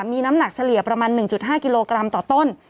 มีน้ำหนักเฉลี่ยประมาณ๑๕กิโลกรัมต่อต้น